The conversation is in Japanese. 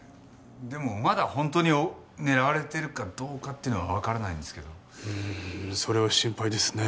でもまだ本当に狙われてるかどうかっていうのはわからないんですけど。それは心配ですね。